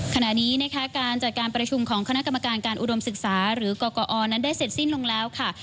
ขณะนี้นะคะการจัดการประชุมของคณะกรรมการการอุดมศึกษาหรือกรกอนั้นได้เสร็จสิ้นลงแล้วค่ะ